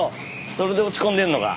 それで落ち込んでるのか。